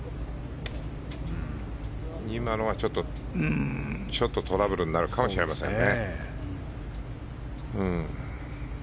今のはちょっとトラブルになるかもしれませんね。